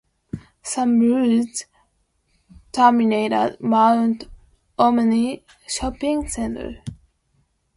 Some routes terminate at Mount Ommaney Shopping Centre.